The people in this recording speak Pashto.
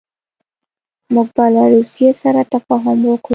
موږ به له روسیې سره تفاهم وکړو.